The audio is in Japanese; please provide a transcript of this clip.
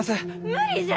無理じゃ！